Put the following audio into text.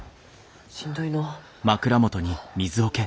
しんどいのう。